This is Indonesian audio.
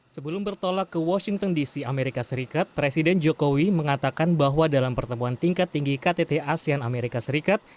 sebelum bertolak ke washington dc amerika serikat presiden jokowi mengatakan bahwa dalam pertemuan tingkat tinggi ktt asean amerika serikat